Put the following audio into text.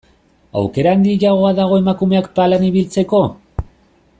Aukera handiagoa dago emakumeak palan ibiltzeko?